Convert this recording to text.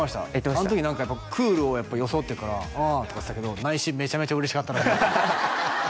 あの時何かやっぱクールを装ってるから「ああ」とか言ってたけど内心めちゃめちゃ嬉しかったらしいです